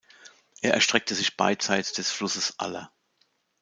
Er erstreckte sich beidseits des Flusses Aller.